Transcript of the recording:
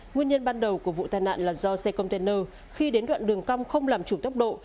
nguyên nhân ban đầu của vụ tai nạn là do xe container khi đến đoạn đường cong không làm chủ tốc độ